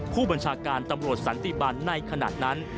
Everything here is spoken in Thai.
ผู้บัญชาการตำรวจสันติบันในขณะนั้น